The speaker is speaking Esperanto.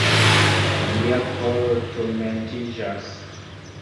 Mia koro turmentiĝas.